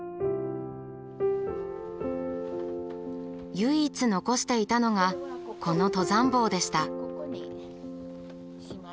唯一残していたのがこの登山帽でした。